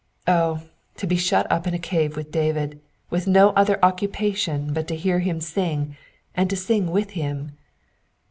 Oh, to be shut up in a cave with David, with no other occupation but to hear him sing, and to sing with him